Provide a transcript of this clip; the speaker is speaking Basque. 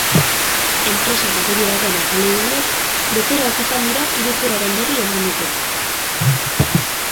Enpresak agiri batean azaldu duenez, bezeroak izan dira iruzurraren berri eman dutenak.